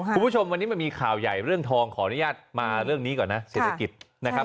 คุณผู้ชมวันนี้มันมีข่าวใหญ่เรื่องทองขออนุญาตมาเรื่องนี้ก่อนนะเศรษฐกิจนะครับ